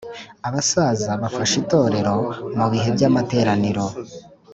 Abasaza bafasha itorero mubihe by’amateraniro